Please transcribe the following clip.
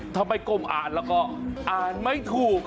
ทำไมก้มอ่านแล้วก็อ่านไม่ถูก